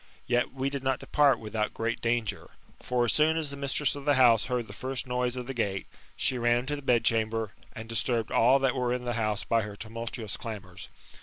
Yet we did not depart without great danger. For as soon as the mistress of the house heard the first noise of the gate, she ran into the bedchamber, and disturbed all that were in the house by her tumultuous damours.